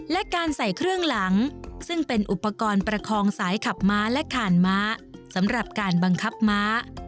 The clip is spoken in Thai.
และการใส่เครื่องหลังซึ่งเป็นอุปกรณ์ประคองสายขับม้าและขานม้าสำหรับการบังคับม้า